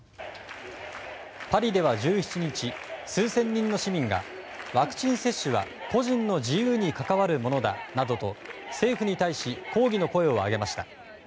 パリでは１７日、数千人の市民がワクチン接種は個人の自由に関わるものだなどと政府に対し抗議の声を上げました。